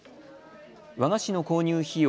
和菓子の購入費用